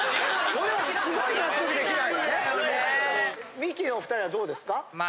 ミキのお２人はどうですか？